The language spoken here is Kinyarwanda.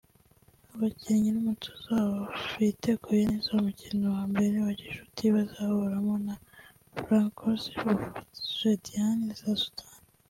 Abakinnyi n’umutoza wabo biteguye neza umukino wa mbere wa gicuti bazahuramo na ‘Falcons of Jediane’ za Sudan